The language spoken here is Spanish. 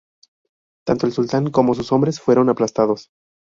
Tanto el sultán como sus hombres fueron aplastados.